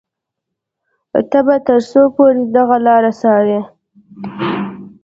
ته به تر څو پورې د هغه لارې څاري.